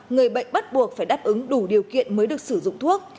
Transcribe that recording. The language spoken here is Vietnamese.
người bệnh bắt buộc phải đáp ứng đủ điều kiện mới được sử dụng thuốc